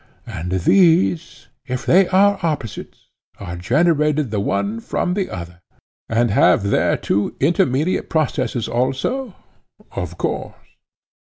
And these, if they are opposites, are generated the one from the other, and have there their two intermediate processes also? Of course.